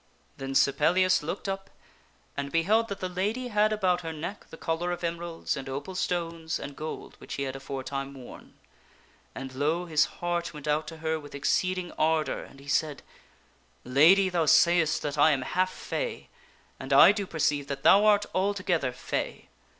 *' Then Sir Pellias looked up and beheld that the lady had about her neck the collar of emeralds and opal stones and gold which he had Sir Pellias A . loveth the Lady aforetime worn. And, lo! his heart went out to her with ex of the Lake. cee ding ardor, and he said, "Lady, thou sayest that I am half fay, and I do perceive that thou art altogether fay.